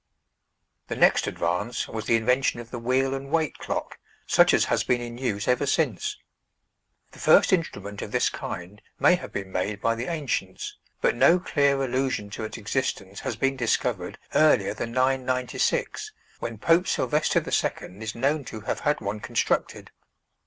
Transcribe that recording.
The next advance was the invention of the wheel and weight clock, such as has been in use ever since. The first instrument of this kind may have been made by the ancients; but no clear allusion to its existence has been discovered earlier than 996, when Pope Sylvester II. is known to have had one constructed.